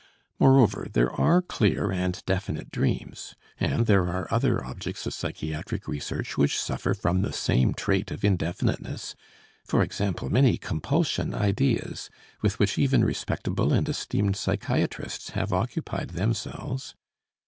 Moreover, there are clear and definite dreams. And there are other objects of psychiatric research which suffer from the same trait of indefiniteness, e.g., many compulsion ideas, with which even respectable and esteemed psychiatrists have occupied themselves.